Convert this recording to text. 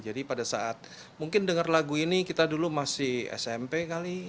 pada saat mungkin dengar lagu ini kita dulu masih smp kali